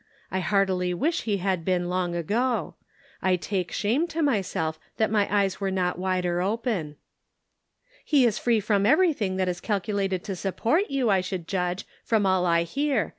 I heartily wish he had been long ago. I take shame to myself that my eyes were not wider open." " He is free from everything that is calcu lated to support you, I should judge, from all I hear.